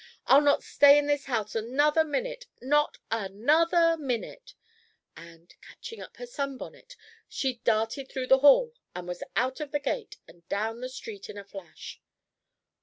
I'll not stay in this house another minute not another minute," and, catching up her sun bonnet, she darted through the hall and was out of the gate and down the street in a flash.